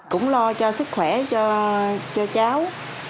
cũng lo cho sức khỏe cho cháu